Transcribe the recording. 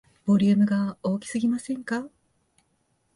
ボリュームが大きすぎませんか